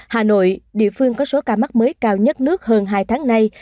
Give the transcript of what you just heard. hà nội địa phương có số ca mắc mới cao nhất nước hơn hai tháng nay